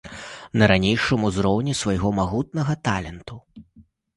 На ранейшым узроўні свайго магутнага талента.